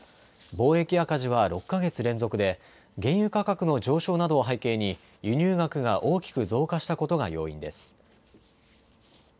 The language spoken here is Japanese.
貿易赤字は６か月連続で原油価格の上昇などを背景に輸入額が大きく増加したことが要因です。